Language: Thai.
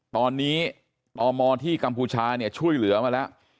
ตอนนี้ตมที่กัมพูชาเนี่ยช่วยเหลือมาแล้ว